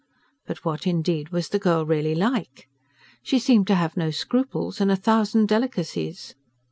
But what indeed was the girl really like? She seemed to have no scruples and a thousand delicacies.